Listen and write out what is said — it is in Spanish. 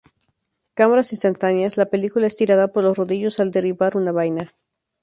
Cámaras instantáneas: La película es tirada por los rodillos al derribar una vaina.